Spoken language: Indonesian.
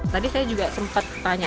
tadi saya juga sempat tanya